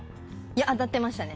当たってましたね。